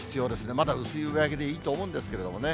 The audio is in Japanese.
まだ薄い上着でいいと思うんですけどね。